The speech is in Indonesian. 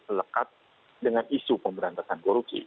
lekat dengan isu pemberantasan korupsi